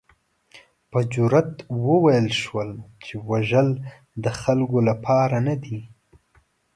په جرات وویل شول چې وژل د خلکو لپاره نه دي.